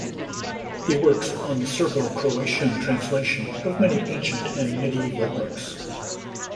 He works on the Serbo-Croatian translation of many ancient and medieval works.